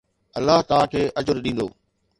الله توهان کي اجر ڏيندو